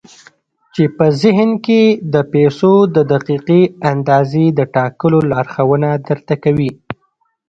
چې په ذهن کې د پيسو د دقيقې اندازې د ټاکلو لارښوونه درته کوي.